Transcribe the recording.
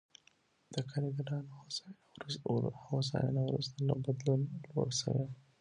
د کارګرانو هوساینه وروسته له بدلون لوړ شوې.